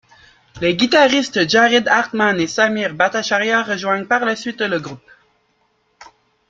Les guitaristes Jared Hartmann et Sameer Bhattacharya rejoignent par la suite le groupe.